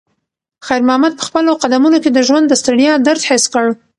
خیر محمد په خپلو قدمونو کې د ژوند د ستړیا درد حس کړ.